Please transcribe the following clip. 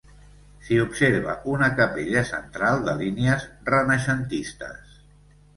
S'hi observa una capella central de línies renaixentistes.